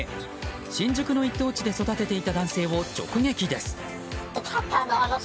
新宿の一等地で育てていた男性を直撃です。